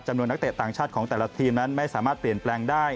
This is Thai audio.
นักเตะต่างชาติของแต่ละทีมนั้นไม่สามารถเปลี่ยนแปลงได้